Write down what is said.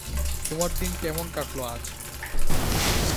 তোমার দিন কেমন কাটলো আজ?